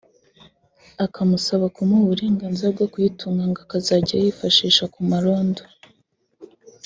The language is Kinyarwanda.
akamusaba kumuha uburenganzira bwo kuyitunga ngo akazajya ayifashisha ku marondo